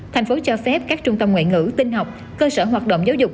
tp hcm cho phép các trung tâm ngoại ngữ tinh học cơ sở hoạt động giáo dục